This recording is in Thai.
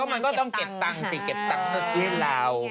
เออก็มันก็ต้องเก็บตังค์สิเก็บตังค์ก็สู้เรา